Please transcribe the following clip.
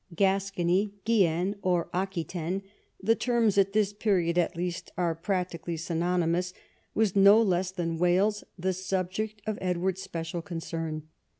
Gascony, Guienne, or Aquitaine (the terms at this period at least are practically synonymous) was no less than Wales the object of Edward's special concern.